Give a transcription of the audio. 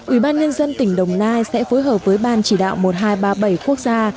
ủy ban nhân dân tỉnh đồng nai sẽ phối hợp với ban chỉ đạo một nghìn hai trăm ba mươi bảy quốc gia